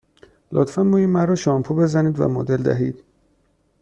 لطفاً موی مرا شامپو بزنید و مدل دهید.